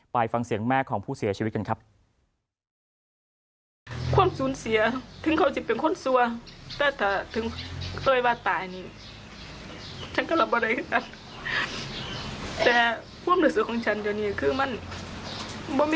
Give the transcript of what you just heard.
ไปฟังเสียงแม่ของผู้เสียชีวิตกันครับ